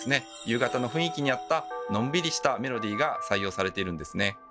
夕方の雰囲気に合ったのんびりしたメロディーが採用されているんですね。